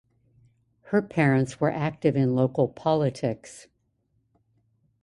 Her parents were active in local politics.